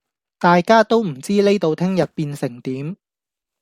大家都唔知呢度聽日變成點